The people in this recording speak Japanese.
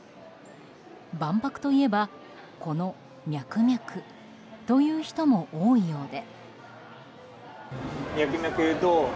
万博といえばこのミャクミャクという人も多いようで。